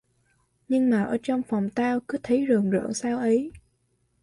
Nhưng mà ở trong phòng tao cứ thầy rờn rợn sao ấy